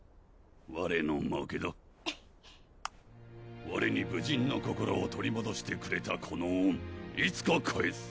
われの負けだわれに武人の心を取りもどしてくれたこの恩いつか返す